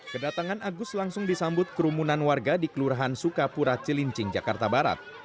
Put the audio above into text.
kedatangan agus langsung disambut kerumunan warga di kelurahan sukapura cilincing jakarta barat